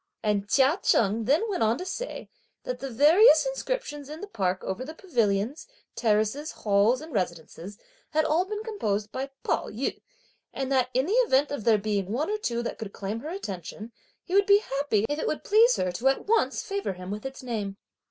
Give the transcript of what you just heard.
And Chia Cheng then went on to say "that the various inscriptions in the park over the pavilions, terraces, halls and residences had been all composed by Pao yü, and, that in the event of there being one or two that could claim her attention, he would be happy if it would please her to at once favour him with its name."